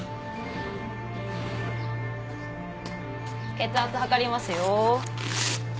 血圧測りますよ。